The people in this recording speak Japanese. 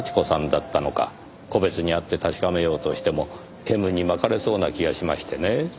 個別に会って確かめようとしても煙に巻かれそうな気がしましてね。